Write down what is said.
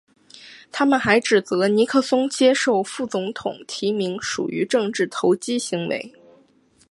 他们还指责尼克松接受副总统提名属于政治投机行为。